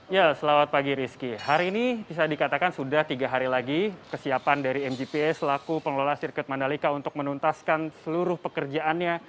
ya selamat pagi rizky hari ini bisa dikatakan sudah tiga hari lagi kesiapan dari mgpa selaku pengelola sirkuit mandalika untuk menuntaskan seluruh pekerjaannya